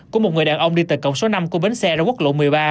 của một người đàn ông đi từ cổng số năm của bến xe ra quốc lộ một mươi ba